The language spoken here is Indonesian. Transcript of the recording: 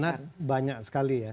kalau minat banyak sekali ya